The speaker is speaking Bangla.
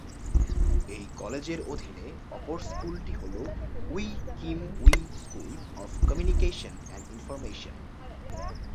এই কলেজের অধীনে অপর স্কুলটি হল Wee Kim Wee school of communication and information.